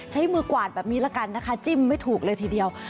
ใช้มือกวาดแบบนี้ละกันนะคะจิ้มไม่ถูกเลยทีเดียว